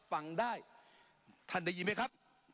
ปรับไปเท่าไหร่ทราบไหมครับ